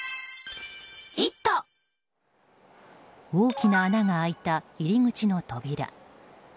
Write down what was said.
大きな穴が開いた入り口の扉。